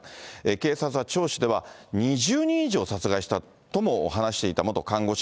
警察は聴取では、２０人以上殺害したとも話していた元看護士。